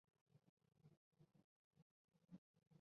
子公司化之后其工作室转移至小平市小川町。